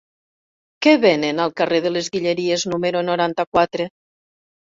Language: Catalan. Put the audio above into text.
Què venen al carrer de les Guilleries número noranta-quatre?